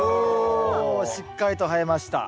しっかりと生えました。